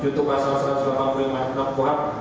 jutuh pasal satu ratus delapan puluh yang menangkap buah